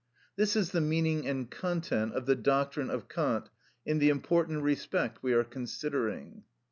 This is the meaning and content of the doctrine of Kant in the important respect we are considering.